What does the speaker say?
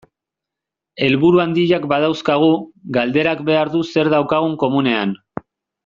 Helburu handiak badauzkagu, galderak behar du zer daukagun komunean.